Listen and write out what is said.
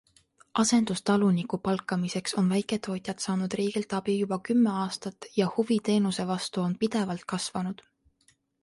Asendustaluniku palkamiseks on väiketootjad saanud riigilt abi juba kümme aastat ja huvi teenuse vastu on pidevalt kasvanud.